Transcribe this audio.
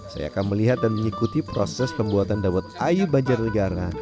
saya akan melihat dan mengikuti proses pembuatan dawet ayu banjarnegara